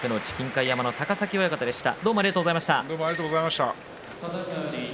高崎親方でした。